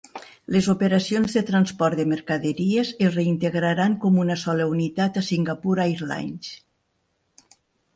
Les operacions de transport de mercaderies es reintegraran com una sola unitat a Singapore Airlines.